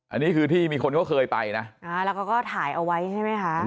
อันนี้คือที่มีคนเขาเคยไปนะอ่าแล้วเขาก็ถ่ายเอาไว้ใช่ไหมคะ